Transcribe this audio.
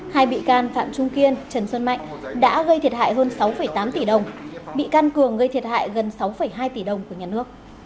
hai bị can phạm trung kiên trần xuân mạnh đã gây thiệt hại hơn sáu tám tỷ đồng bị can cường gây thiệt hại gần sáu hai tỷ đồng của nhà nước